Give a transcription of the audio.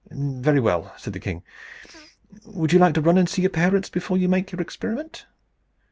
"Very well," said the king. "Would you like to run and see your parents before you make your experiment?"